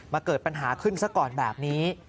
เกิดปัญหาขึ้นซะก่อนแบบนี้